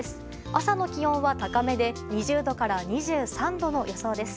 朝の気温は高めで２０度から２３度の予想です。